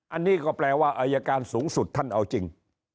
อันนี้ก็แปลว่าอายการสูงสุดท่านเอาจริง